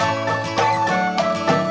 aku persilukan tantangan